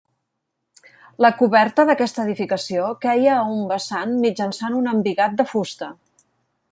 La coberta d'aquesta edificació queia a un vessant mitjançant un embigat de fusta.